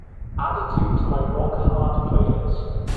add a tune to my rock hard playlist